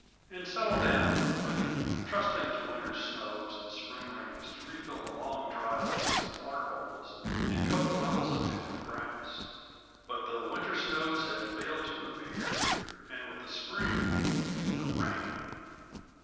and settled down for the winter, trusting to winter snows and spring rains to refill the long dry lakes and waterholes, and coat the levels anew with grass. But the winter snows had failed to appear, and with the spring came no rain.